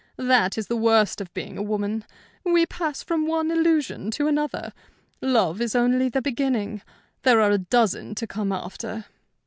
That is the worst of being a woman; we pass from one illusion to another; love is only the beginning; there are a dozen to come after.